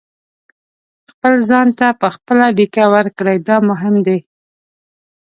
خپل ځان ته په خپله دېکه ورکړئ دا مهم دی.